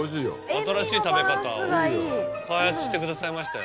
新しい食べ方を開発してくださいましたよ。